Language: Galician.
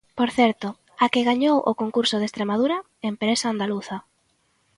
Por certo, a que gañou o concurso de Estremadura, empresa andaluza.